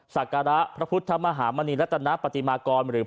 ศักระพระพุทธมหามณีรัตนปฏิมากรหรือ